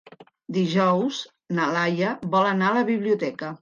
Dijous na Laia vol anar a la biblioteca.